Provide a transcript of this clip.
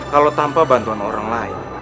kalau tanpa bantuan orang lain